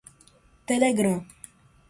Telegram